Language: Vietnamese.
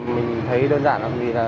mình thấy đơn giản là